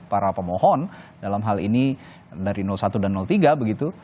para pemohon dalam hal ini dari satu dan tiga begitu